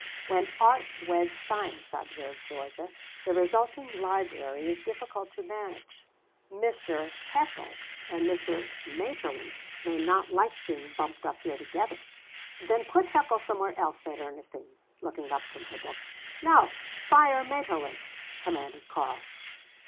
"When art weds science," observed Georgia, "the resulting library is difficult to manage. Mr. Haeckel and Mr. Maeterlinck may not like being bumped up here together." "Then put Haeckel somewhere else," said Ernestine, looking up from her book. "No, fire Maeterlinck," commanded Karl.